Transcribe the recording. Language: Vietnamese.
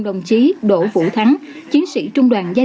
trong cái cuộc chống dịch lần này